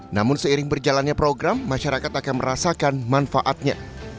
namun seiring berjalannya program masyarakat akan merasakan manfaatnya